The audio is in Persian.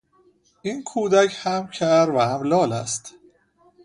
این کودک هم کر و هم لال است.